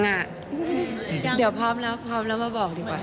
เดี๋ยวพร้อมแล้วพร้อมแล้วมาบอกดีกว่า